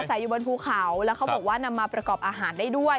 ใส่อยู่บนภูเขาแล้วเขาบอกว่านำมาประกอบอาหารได้ด้วย